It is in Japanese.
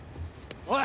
おい！